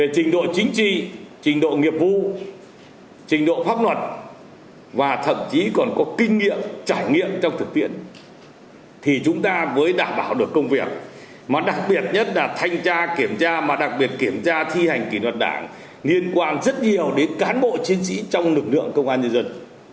trình độ pháp luật và thậm chí còn có kinh nghiệm trải nghiệm trong thực tiễn thì chúng ta mới đảm bảo được công việc mà đặc biệt nhất là thanh tra kiểm tra mà đặc biệt kiểm tra thi hành kỷ luật đảng liên quan rất nhiều đến cán bộ chiến sĩ trong lực lượng công an nhân dân